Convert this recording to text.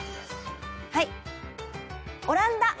はい。